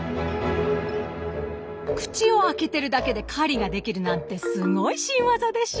口を開けてるだけで狩りができるなんてすごい新ワザでしょ。